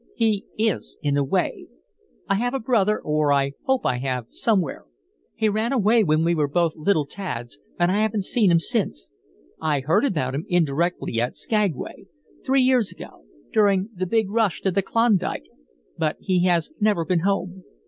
"He is in a way. I have a brother, or I hope I have, somewhere. He ran away when we were both little tads and I haven't seen him since. I heard about him, indirectly, at Skagway three years ago during the big rush to the Klondike, but he has never been home.